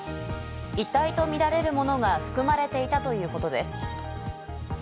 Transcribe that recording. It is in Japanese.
遺体とみられるものが含まれていたということです。